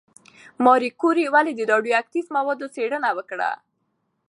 ماري کوري ولې د راډیواکټیف موادو څېړنه وکړه؟